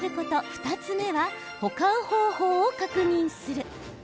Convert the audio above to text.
２つ目は保管方法を確認する。